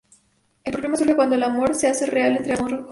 El problema surge cuando el amor se hace real entre ambos jóvenes.